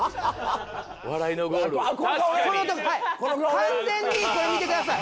完全にこれ見てください。